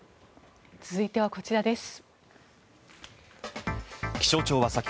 続いてはこちらです。